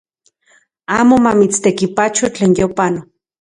Amo mamitstekipacho tlen yopanok